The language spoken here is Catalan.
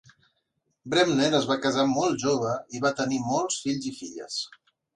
Bremner es va casar molt jove i va tenir molts fills i filles.